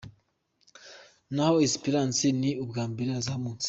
N’aho Esperence ni ubwa mbere izamutse.